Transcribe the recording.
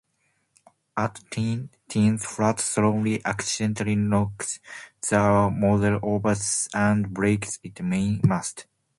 At Tintin's flat, Snowy accidentally knocks the model over and breaks its mainmast.